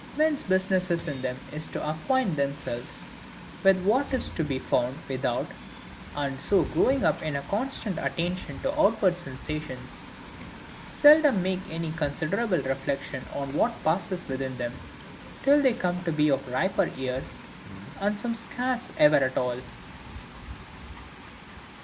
Men's business in them is to acquaint themselves with what is to be found without; and so growing up in a constant attention to outward sensations, seldom make any considerable reflection on what passes within them, till they come to be of riper years; and some scarce ever at all.